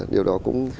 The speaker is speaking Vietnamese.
điều đó cũng